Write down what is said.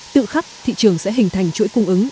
tự khắc thị trường sẽ hình thành chuỗi cung ứng